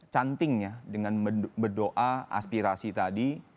cantiknya dengan berdoa aspirasi tadi